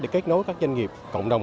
để kết nối các doanh nghiệp cộng đồng